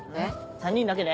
３人だけで？